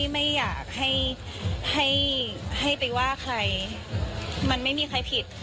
ไม่อยากให้ให้ไปว่าใครมันไม่มีใครผิด